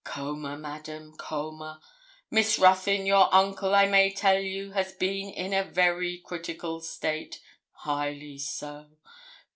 Coma, madam; coma. Miss Ruthyn, your uncle, I may tell you, has been in a very critical state; highly so.